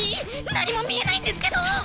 何も見えないんですけど！